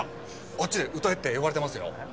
あっちで歌えって呼ばれてますよ。